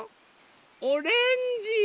オレンジ。